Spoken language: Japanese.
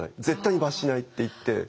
絶対に罰しないって言って。